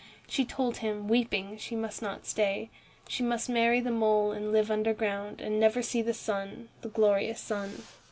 She told him, weeping, she must not stay. She must marry the mole and live underground, and never see the sun, the glorious sun.